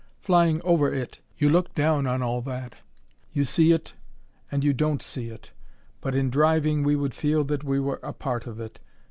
Flying over it, you look down on all that. You see it and you don't see it. But in driving we would feel that we were a part of it.